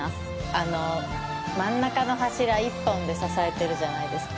あの真ん中の柱１本で支えてるじゃないですか。